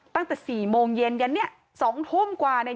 ตั้งแต่สี่โมงเย็นยันเนี่ย๒ทุ่มกว่าเนี่ย